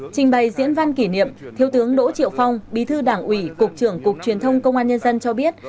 trình bày diễn văn kỷ niệm thiếu tướng đỗ triệu phong bí thư đảng ủy cục trưởng cục truyền thông công an nhân dân cho biết